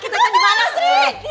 jomblo sakit itu dimana sri